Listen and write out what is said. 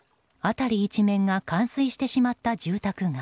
辺り一面が冠水してしまった住宅街。